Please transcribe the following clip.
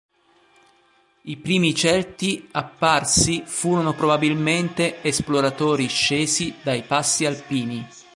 I primi Celti apparsi furono probabilmente esploratori scesi dai passi alpini.